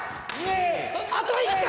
あと１回！